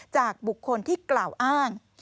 จากบุคคลที่กล่าวอ้าง